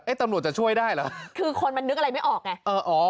ตำรวจจะช่วยได้เหรอคือคนมันนึกอะไรไม่ออกไงเอออ๋อ